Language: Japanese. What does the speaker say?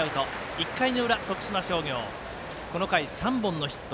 １回の裏、徳島商業この回、３本のヒット。